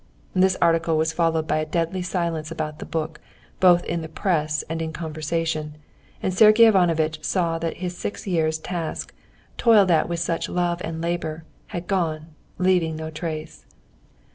This article was followed by a deadly silence about the book both in the press and in conversation, and Sergey Ivanovitch saw that his six years' task, toiled at with such love and labor, had gone, leaving no trace.